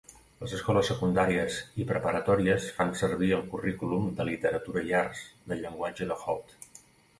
Les escoles secundàries i preparatòries fan servir el currículum de Literatura i Arts del Llenguatge de Holt.